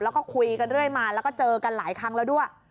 แล้วก็คุยกันเรื่อยมาแล้วก็เจอกันหลายครั้งแล้วด้วย